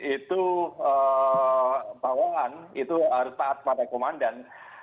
itu bawaan itu harus taat pada komandan